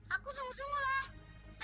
aku sungguh sungguh lho